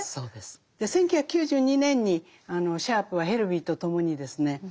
１９９２年にシャープはヘルヴィーとともにですね